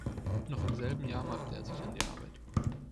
Noch im selben Jahr machte er sich an die Arbeit.